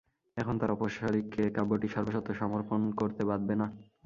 এখন তার অপর শরিককে কাব্যটির সর্বস্বত্ব সমর্পণ করতে বাধবে না।